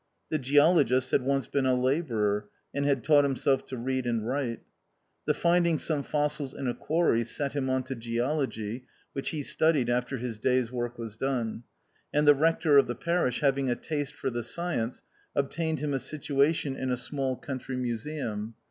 Tlie Geologist had once been a labourer, and had taught himself to read and write. The finding some fossils in a quarry " set him on to geology," which he studied after his day's work was done ; and the rector of the parish having a taste for the science, ob tained him a situation in a small country t 4 4 THE OUTCAST. museum.